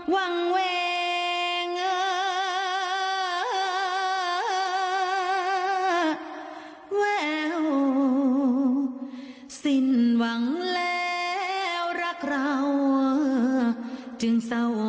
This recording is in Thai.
เสียงเพลง